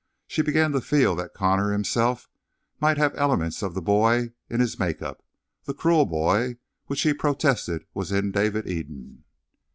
She began to feel that Connor himself might have elements of the boy in his make up the cruel boy which he protested was in David Eden.